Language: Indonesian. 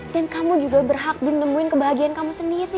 dan kamu juga berhak bib nemuin kebahagiaan kamu sendiri